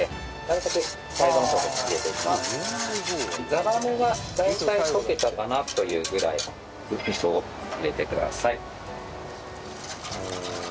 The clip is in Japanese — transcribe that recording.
ザラメが大体溶けたかなというぐらいで味噌を入れてください。